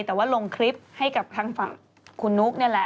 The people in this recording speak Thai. แต่ว่าลงคลิปให้กับทางฝั่งคุณนุ๊กนี่แหละ